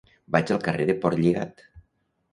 Vaig al carrer de Portlligat.